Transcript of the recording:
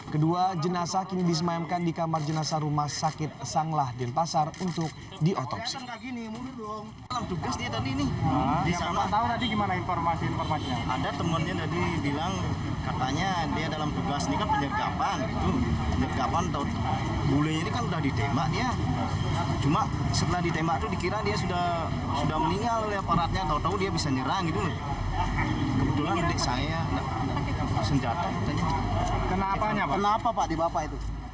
kedua jenazah kini disemayamkan di kamar jenazah rumah sakit sanglah denpasar untuk diotopsi